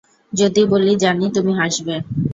যদি বলি জানি, তুমি হাসবে।